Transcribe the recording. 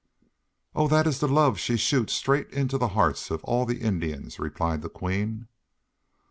"Oh, that is the love she shoots straight into the hearts of all the Indians," replied the Queen.